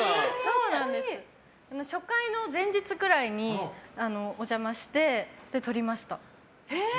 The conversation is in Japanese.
初回の前日くらいにお邪魔して、とりました。